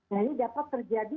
nah ini dapat terjadi